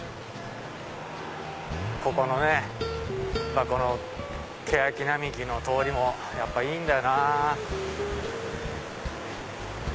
ここのねケヤキ並木の通りもやっぱいいんだよなぁ。